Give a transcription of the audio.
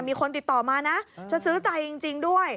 มีคนติดต่อมานะจะซื้อใจจริงด้วย